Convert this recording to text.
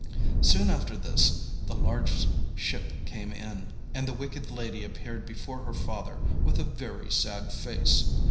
Soon after this the large ship came in, and the wicked lady appeared before her father with a very sad face.